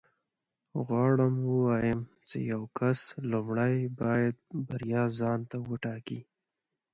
غواړم ووایم چې یو کس لومړی باید بریا ځان ته وټاکي